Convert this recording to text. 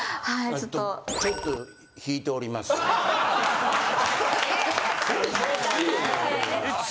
ちょっと引いております。